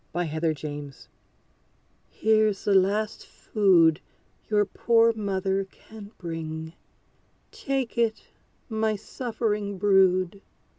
=The Stricken Bird= Here's the last food your poor mother can bring! Take it, my suffering brood.